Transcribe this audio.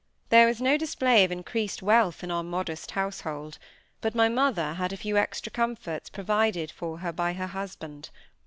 There was no display of increased wealth in our modest household; but my mother had a few extra comforts provided for her by her husband.